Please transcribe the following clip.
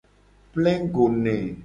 Plengugo ne.